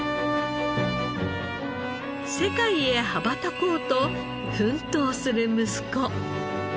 世界へ羽ばたこうと奮闘する息子。